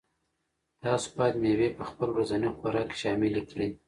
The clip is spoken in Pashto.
تاسو باید مېوې په خپل ورځني خوراک کې شاملې کړئ.